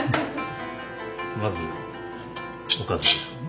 まずおかずですよね。